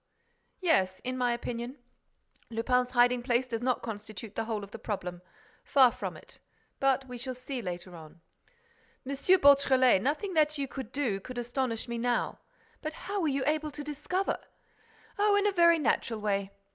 "Yes, in my opinion, Lupin's hiding place does not constitute the whole of the problem. Far from it. But we shall see later on." "M. Beautrelet, nothing that you do could astonish me now. But how were you able to discover—?" "Oh, in a very natural way!